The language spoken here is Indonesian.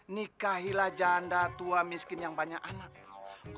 nikahilah janda tua miskin yang banyak anak